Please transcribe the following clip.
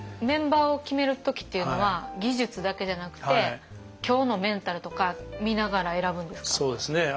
メンバーを決める時っていうのは技術だけじゃなくて今日のメンタルとか見ながら選ぶんですか？